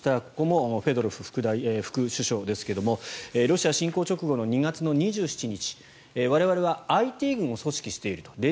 ここもフェドロフ副首相ですがロシア侵攻直後の２月２７日我々はＩＴ軍を組織していると。